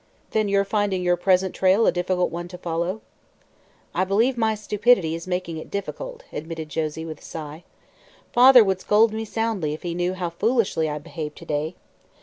"Then you're finding your present trail a difficult one to follow?" "I believe my stupidity is making it difficult," admitted Josie, with a sigh. "Father would scold me soundly if he knew how foolishly I behaved to day.